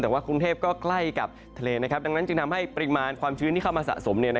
แต่ว่ากรุงเทพก็ใกล้กับทะเลดังนั้นจึงทำให้ปริมาณความชื้นที่เข้ามาสะสม